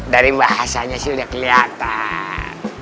dari bahasanya sih udah kelihatan